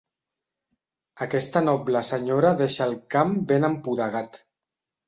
Aquesta noble senyora deixa el camp ben empudegat.